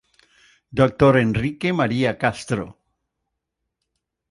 Dr. Enrique María Castro.